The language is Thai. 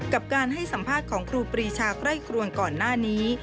กับการให้สัมภาษณ์ของครูปรีชาไคร่ครวนก่อนหน้านี้